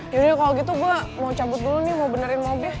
yaudah kalau gitu bula mau cabut dulu nih mau benerin mobil